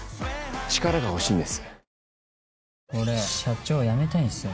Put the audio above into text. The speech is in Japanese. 力が欲しいんです。